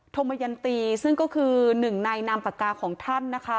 ธมยันตีซึ่งก็คือหนึ่งในนามปากกาของท่านนะคะ